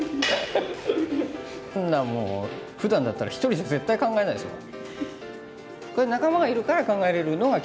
こんなもうふだんだったら１人じゃ絶対考えないですもん。